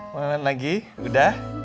mulain lagi udah